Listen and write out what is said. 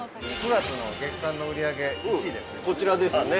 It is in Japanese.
◆９月の月間の売り上げ１位ですね。